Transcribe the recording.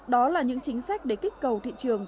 đó là những chính sách để kích cầu thị trường